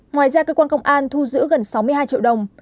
ngoài ra cơ quan công an thu giữ gần sáu mươi hai triệu đồng